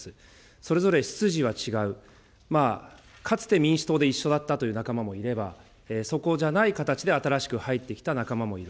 それぞれ出自は違う、かつて民主党で一緒だったという仲間もいれば、そこじゃない形で新しく入ってきた仲間もいる。